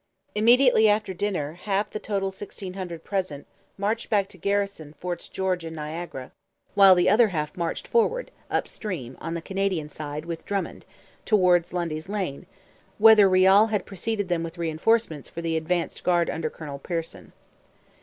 Immediately after dinner half the total sixteen hundred present marched back to garrison Forts George and Niagara, while the other half marched forward, up stream, on the Canadian side, with Drummond, towards Lundy's Lane, whither Riall had preceded them with reinforcements for the advanced guard under Colonel Pearson.